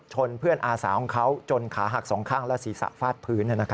เพื่อนอาสาของเขาจนขาหักสองข้างและศีรษะฟาดพื้น